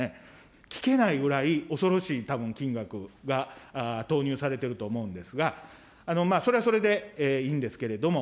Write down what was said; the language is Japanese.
聞けないぐらい恐ろしいたぶん金額が投入されていると思うんですが、それはそれでいいんですけれども。